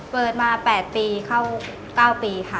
เปิดมา๘ปีเข้า๙ปีค่ะ